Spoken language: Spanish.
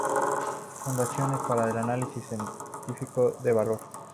Fundaciones para el análisis científico de valor